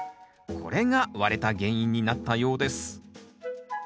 これが割れた原因になったようです。